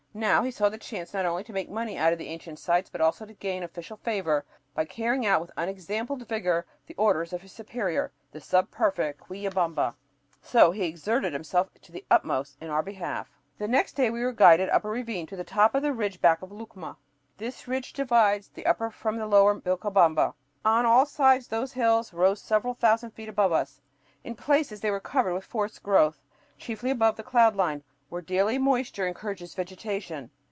Now he saw the chance not only to make money out of the ancient sites, but also to gain official favor by carrying out with unexampled vigor the orders of his superior, the sub prefect of Quillabamba. So he exerted himself to the utmost in our behalf. The next day we were guided up a ravine to the top of the ridge back of Lucma. This ridge divides the upper from the lower Vilcabamba. On all sides the hills rose several thousand feet above us. In places they were covered with forest growth, chiefly above the cloud line, where daily moisture encourages vegetation.